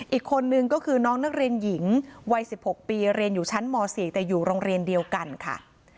อีกคนนึงก็คือน้องนักเรียนหญิงวัย๑๖ปีเรียนอยู่ชั้นม๔แต่อยู่โรงเรียนเดียวกันค่ะ